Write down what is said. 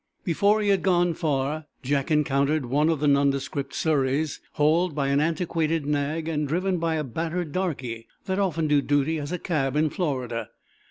Before he had gone far, Jack encountered one of the nondescript surreys, hauled by an antiquated nag and driven by a battered darkey, that often do duty as cab in Florida.